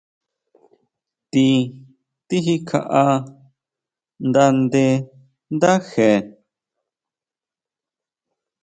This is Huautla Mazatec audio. Ti tijikjaʼá nda nde ndáje.